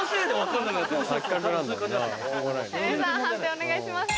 判定お願いします。